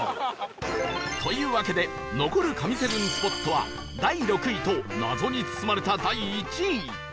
というわけで残る神７スポットは第６位と謎に包まれた第１位